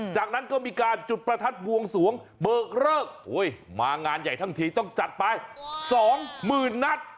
จากนั้นก็มีการจุดประทัดบวงสวงเบิกเลิกมางานใหญ่ทั้งทีต้องจัดไป๒๐๐๐นัด